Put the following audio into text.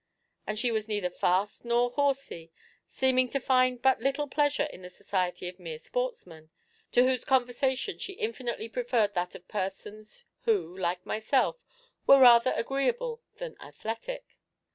And she was neither fast nor horsey, seeming to find but little pleasure in the society of mere sportsmen, to whose conversation she infinitely preferred that of persons who, like myself, were rather agreeable than athletic.